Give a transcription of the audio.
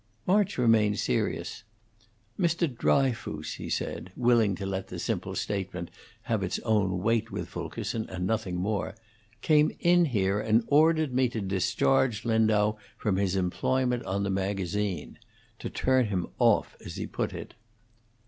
March remained serious. "Mr. Dryfoos," he said, willing to let the simple statement have its own weight with Fulkerson, and nothing more, "came in here and ordered me to discharge Lindau from his employment on the magazine to turn him off, as he put it."